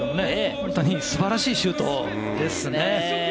本当に素晴らしいシュートですね。